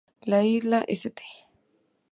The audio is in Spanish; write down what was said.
La isla de St.